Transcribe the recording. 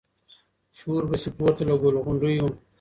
شور به سي پورته له ګل غونډیو